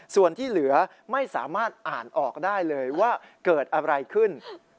ส่วนที่เหลือไม่สามารถอ่านออกได้เลยว่าเกิดอะไรขึ้น